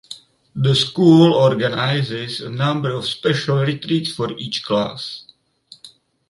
The school organizes a number of special retreats for each class.